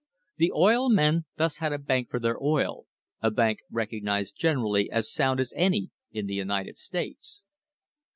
The oil men thus had a bank for their oil, a bank recognised gener ally as sound as any in the United States.